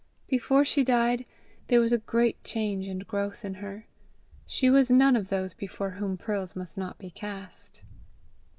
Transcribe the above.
Before she died, there was a great change and growth in her: she was none of those before whom pearls must not be cast.